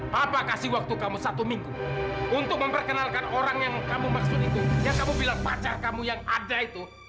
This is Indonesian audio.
papa kasih waktu kamu satu minggu untuk memperkenalkan orang yang kamu maksud itu yang kamu bilang pacar kamu yang ada itu